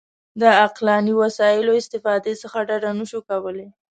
د عقلاني وسایلو استفادې څخه ډډه نه شو کولای.